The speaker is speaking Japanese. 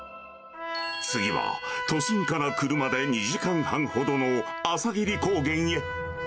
次は、都心から車で２時間半ほどの朝霧高原へ。